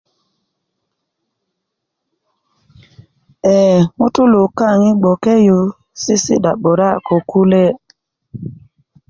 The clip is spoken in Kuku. ee ŋutulu kaŋ yi gboke yu sisi'da 'bura ko kule'